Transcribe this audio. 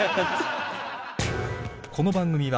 この番組は